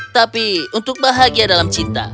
tapi untuk bahagia dalam cinta